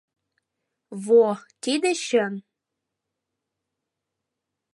Во, тиде чын!